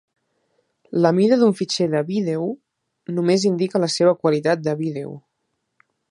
La mida d'un fitxer de vídeo només indica la seva qualitat de vídeo.